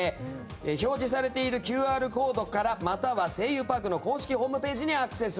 表示されているＱＲコードからまたは「声優パーク」の公式ホームページにアクセス。